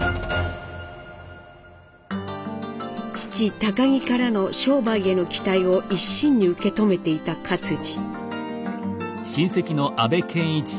父儀からの商売への期待を一身に受け止めていた克爾。